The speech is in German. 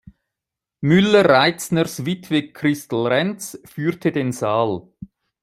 Müller-Reitzners Witwe Christl Räntz führte den Saal.